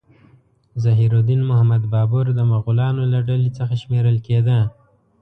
ظهیر الدین محمد بابر د مغولانو له ډلې څخه شمیرل کېده.